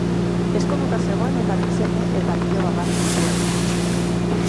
Ezkonduta zegoen eta bi seme eta biloba bat zituen.